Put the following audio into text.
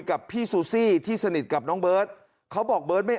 กับพี่ซูซี่ที่สนิทกับน้องเบิร์ตเขาบอกเบิร์ตไม่